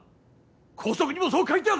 校則にもそう書いてある！